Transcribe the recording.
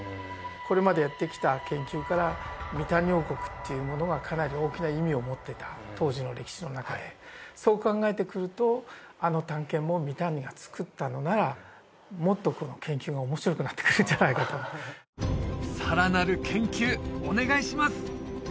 これまでやってきた研究からミタンニ王国っていうのものはかなり大きな意味を持ってた当時の歴史の中でそう考えてくるとあの短剣もミタンニが作ったのならもっとこの研究が面白くなってくるんじゃないかとさらなる研究お願いします！